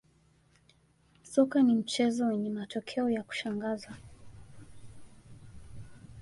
soka ni mchezo wenye matokeo ya kushangaza